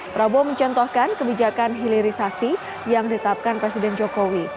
prabowo mencontohkan kebijakan hilirisasi yang ditapkan presiden jokowi